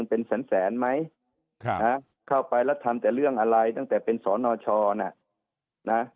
เป็นแสนไหมเข้าไปแล้วทำแต่เรื่องอะไรตั้งแต่เป็นสนชนะนะ